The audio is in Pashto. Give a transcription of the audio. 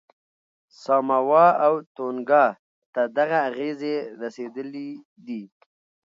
ساموا او تونګا ته دغه اغېزې رسېدلې دي.